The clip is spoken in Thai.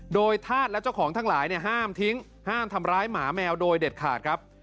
โดยธาตุและเจ้าของทั้งหลายห้ามทิ้งห้ามทำร้ายหมาแมวโดยเด็ดขาดครับ